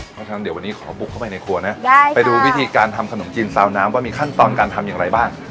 เพราะฉะนั้นเดี๋ยววันนี้ขอบุกเข้าไปในครัวนะไปดูวิธีการทำขนมจีนซาวน้ำว่ามีขั้นตอนการทำอย่างไรบ้าง